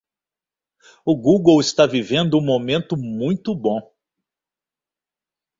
O Google está vivendo um momento muito bom.